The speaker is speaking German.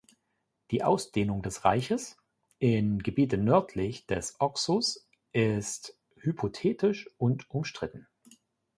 Die Ausdehnung des Reiches in Gebiete nördlich des Oxus ist hypothetisch und umstritten.